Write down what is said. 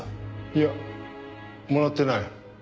いやもらってない。